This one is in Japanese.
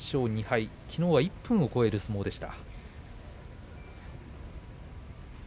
きのうは１分を超える相撲でした。